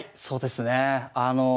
そうですね。